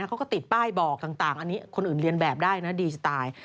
เขาก็ติดป้ายบอกต่างอันนี้คนอื่นเรียนแบบได้นะดีสไตล์